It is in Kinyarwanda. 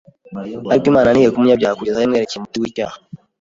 Ariko Imana ntireka umunyabyaha kugeza aho imwerekeye umuti w’icyaha.